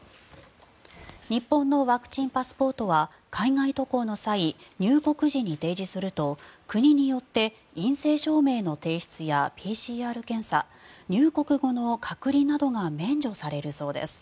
日本のワクチンパスポートは海外渡航の際入国時に提示すると国によって陰性反応の提出やＰＣＲ検査入国後の隔離などが免除されるそうです。